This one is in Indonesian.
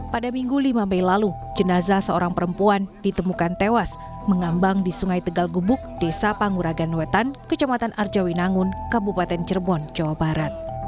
pada minggu lima mei lalu jenazah seorang perempuan ditemukan tewas mengambang di sungai tegal gubuk desa panguragan wetan kecamatan arjawinangun kabupaten cirebon jawa barat